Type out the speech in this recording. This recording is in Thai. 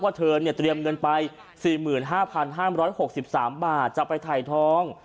เธอเนี่ยเตรียมเงินไป๔๕๕๖๓บาทจะไปถ่ายทอง